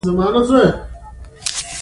زه د خپلې انرژۍ په اړه فکر کوم.